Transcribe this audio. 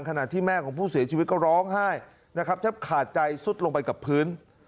ขณะที่แม่ของผู้เสียชีวิตก็ร้องไห้นะครับแทบขาดใจสุดลงไปกับพื้น